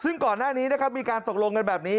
ซึ่งก่อนหน้านี้มีการตกลงเงินแบบนี้